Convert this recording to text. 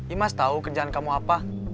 imas tahu kerjaan kamu apa